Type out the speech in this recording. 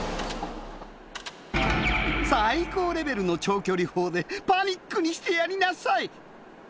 最高レベルの長距離砲でパニックにしてやりなさい。